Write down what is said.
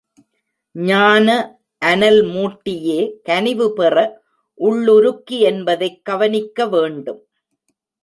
ஞான அனல் மூட்டியே கனிவு பெற உள்ளுருக்கி என்பதைக் கவனிக்க வேண்டும்.